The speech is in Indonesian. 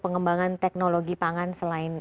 pengembangan teknologi pangan selain